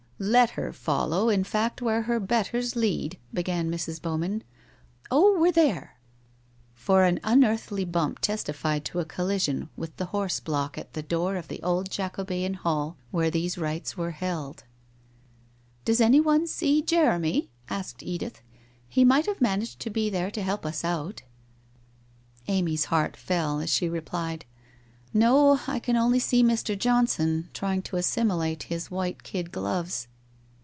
' Let her follow, in fact, where her betters lead,' began Mrs. Bowman. * Oh, we're there !' For an unearthly bump testified to a collision with the horse block at the door of the old Jacobean Hall where these rites were held. ' Does anyone see Jeremy ?' asked Edith. ' He might have managed to be there to help us out.' WHITE ROSE OF WEARY LEAF 113 Amy's heart fell, as she replied: 1 No. I can only see Mr. Johnson trying to assimilate his white kid gloves.'